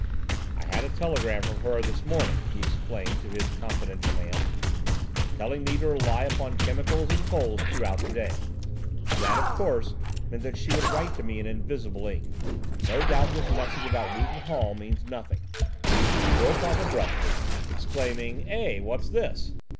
"I had a telegram from her this morning," he explained to his confidential man, "telling me to rely upon chemicals and coals throughout the day, and that, of course, meant that she would write to me in invisible ink. No doubt this message about Wootton Hall means nothing—" He broke off abruptly, exclaiming: "Eh! what's this!"